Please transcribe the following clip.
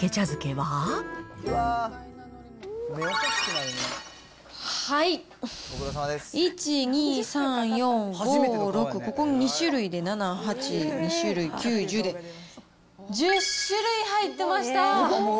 はい、１、２、３、４、５、６、ここで２種類で、７、８、そして２種類、９、１０で、１０種類入ってました。